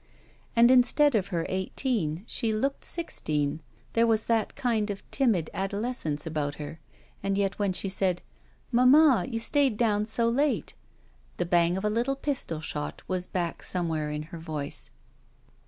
And instead of her eighteen she looked sixteen, there was that kind of timid adolescence about her, and yet when she said, "Mamma, you stayed down so late," the bang of a little pistol shot was back somewhere in her voice.